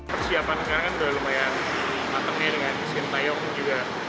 persiapan sekarang kan udah lumayan matang nih dengan shin taeyong juga